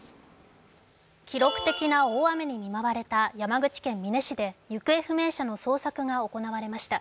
記録的な大雨に見舞われた山口県美祢市で行方不明者の捜索が行われました。